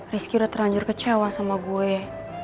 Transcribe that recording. rizky udah terlanjur kecewa sama gue